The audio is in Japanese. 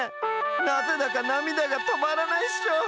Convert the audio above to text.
なぜだかなみだがとまらないっしょ！